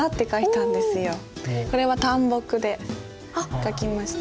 これは淡墨で書きました。